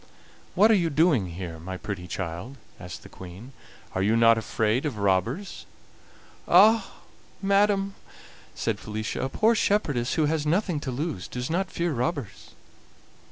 "What are you doing here, my pretty child?" asked the Queen. "Are you not afraid of robbers?" "Ah! madam," said Felicia, "a poor shepherdess who has nothing to lose does not fear robbers."